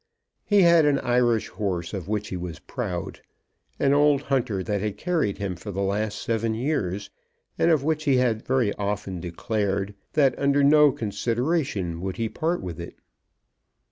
He had an Irish horse of which he was proud, an old hunter that had carried him for the last seven years, and of which he had often declared that under no consideration would he part with it.